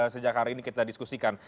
sejak hari ini kita diskusikan